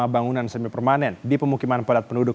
bangunan semi permanen di pemukiman padat penduduk